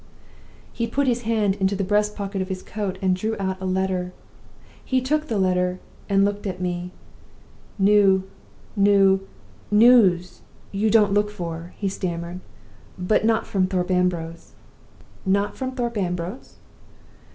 "He put his hand into the breast pocket of his coat, and drew out a letter. He looked at the letter, and looked at me. 'New new news you don't look for,' he stammered; 'but not from Thorpe Ambrose!' "'Not from Thorpe Ambrose!